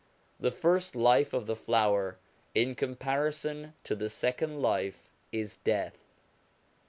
The first life of the flower, in comparison to the second life, is death.